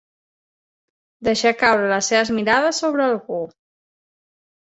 Deixar caure les seves mirades sobre algú.